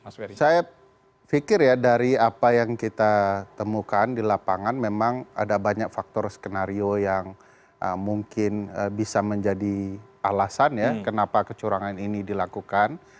saya pikir ya dari apa yang kita temukan di lapangan memang ada banyak faktor skenario yang mungkin bisa menjadi alasan ya kenapa kecurangan ini dilakukan